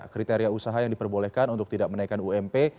kriteria usaha yang diperbolehkan untuk tidak menaikkan ump